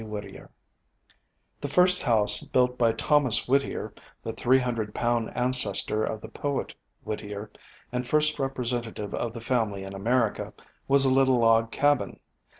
WHITTIER The first house built by Thomas Whittier, the three hundred pound ancestor of the poet Whittier, and first representative of the family in America, was a little log cabin.